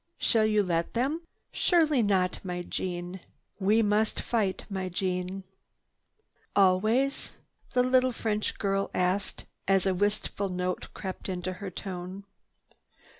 Shall you let them? Surely not, my Jeanne. We must fight, my Jeanne." "Always?" the little French girl asked as a wistful note crept into her tone.